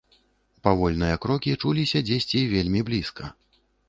Павольныя крокі чуліся дзесьці вельмі блізка.